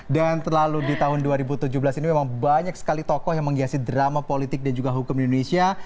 dan terlalu di tahun dua ribu tujuh belas ini memang banyak sekali tokoh yang menghiasi drama politik dan juga hukum di indonesia